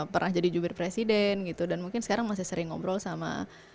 pernah jadi jubir presiden gitu dan mungkin sekarang masih sering ngobrol sama